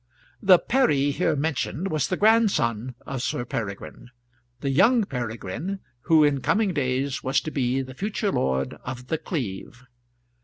The Perry here mentioned was the grandson of Sir Peregrine the young Peregrine who in coming days was to be the future lord of The Cleeve.